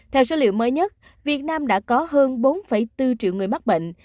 theo số liệu mới nhất việt nam đã có hơn bốn bốn triệu người mắc bệnh